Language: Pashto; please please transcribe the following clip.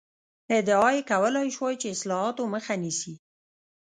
ادعا یې کولای شوای چې اصلاحاتو مخه نیسي.